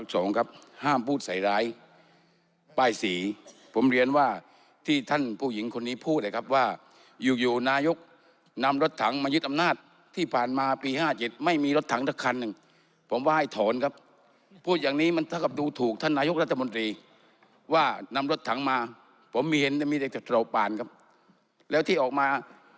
ห้ามพูดใส่ร้ายป้ายสีผมเรียนว่าที่ท่านผู้หญิงคนนี้พูดเลยครับว่าอยู่อยู่นายกนำรถถังมายึดอำนาจที่ผ่านมาปี๕๗ไม่มีรถถังสักคันหนึ่งผมว่าให้ถอนครับพูดอย่างนี้มันเท่ากับดูถูกท่านนายกรัฐมนตรีว่านำรถถังมาผมไม่เห็นจะมีแต่โตปานครับแล้วที่ออกมา